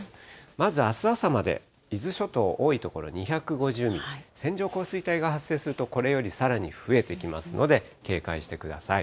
まずあす朝まで、伊豆諸島、多い所２５０ミリ、線状降水帯が発生すると、これよりさらに増えてきますので警戒してください。